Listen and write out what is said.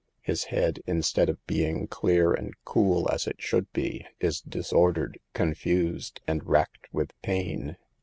His head, instead of being clear and cool, as it should be, is disordered, confused, and racked with pain.